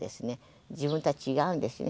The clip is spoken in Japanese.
自分とは違うんですね。